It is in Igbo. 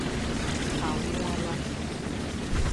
anwụọla